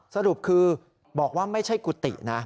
สรุปคือบอกว่าไม่ใช่กุฏินะ